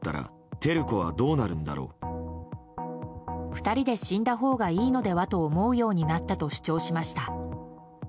２人で死んだほうがいいのではと思うようになったと主張しました。